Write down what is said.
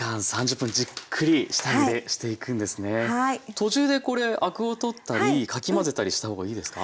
途中でこれアクを取ったりかき混ぜたりした方がいいですか？